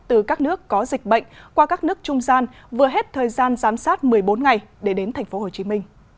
từ các nước có dịch bệnh qua các nước trung gian vừa hết thời gian giám sát một mươi bốn ngày để đến tp hcm